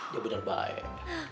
ya bener baik